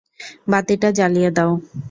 বাতিটা জ্বালিয়ে দাও!